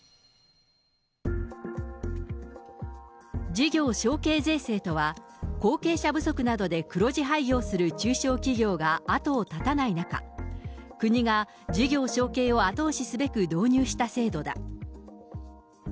事業承継税制とは、後継者不足などで黒字廃業する中小企業が後を絶たない中、国が事業承継を後押しすべく導入した制度だ。